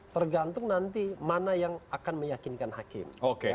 tergantung nanti mana yang akan meyakinkan hakim